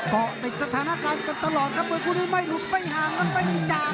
เกาะติดสถานการณ์กันตลอดครับมวยคู่นี้ไม่หลุดไม่ห่างครับไม่มีจาก